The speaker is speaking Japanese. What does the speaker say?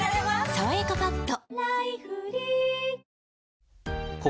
「さわやかパッド」